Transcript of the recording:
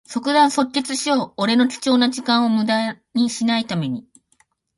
即断即決しよう。俺の貴重な時間をむだにしない為に。